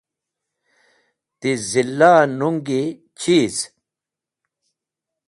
Ti Zil’a e nuñgi cheez?